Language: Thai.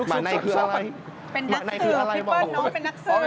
หมาไนคืออะไรพี่เปิ้ลเป็นนักเสือมาไนคืออะไร